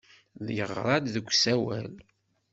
Yeɣra-d deg usawal.